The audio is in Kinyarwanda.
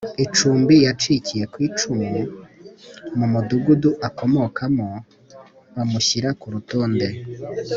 icumbi yacikiye ku icumu mu Mudugudu akomokamo bamushyira ku rutonde